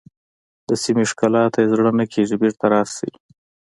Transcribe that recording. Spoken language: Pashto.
د سیمې ښکلا ته یې زړه نه کېږي بېرته راشئ.